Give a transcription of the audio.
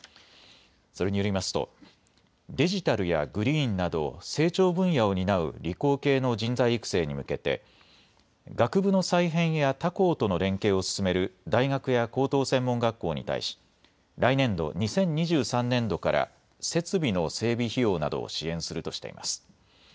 それによりますとデジタルやグリーンなど成長分野を担う理工系の人材育成に向けて学部の再編や他校との連携を進める大学や高等専門学校に対し来年度、２０２３年度から設備の整備費用などを支援するとしています。